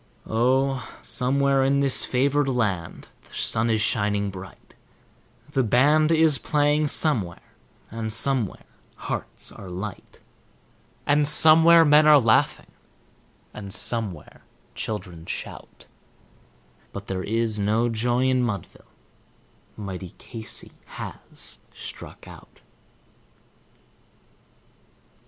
Oh! somewhere in this favored land the sun is shining bright; The band is playing somewhere, and somewhere hearts are light. And somewhere men are laughing, and somewhere children shout; But there is no joy in Mudville mighty Casey has Struck Out.